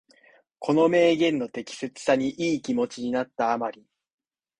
この名言の適切さにいい気持ちになった余り、